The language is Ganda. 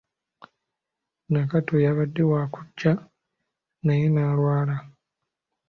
Nakato yabadde wakujja naye nalwala.